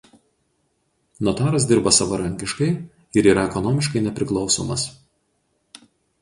Notaras dirba savarankiškai ir yra ekonomiškai nepriklausomas.